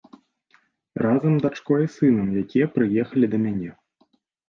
Разам дачкой і сынам, якія прыехалі да мяне.